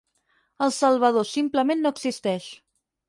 El Salvador simplement no existeix.